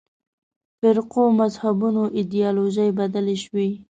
فرقو مذهبونو ایدیالوژۍ بدلې شوې.